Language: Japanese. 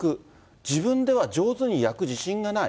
自分では上手に焼く自信がない。